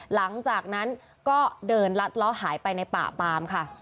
หลังจากนั้นก็เดินลัดล้อหายไปในป่าปามค่ะ